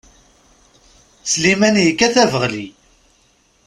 Sliman yekkat abeɣli.